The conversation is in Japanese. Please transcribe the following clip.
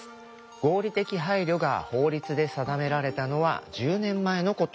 合理的配慮が法律で定められたのは１０年前のこと。